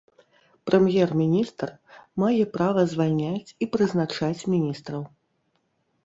Прэм'ер-міністр мае права звальняць і прызначаць міністраў.